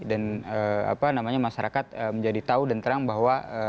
dan masyarakat menjadi tahu dan terang bahwa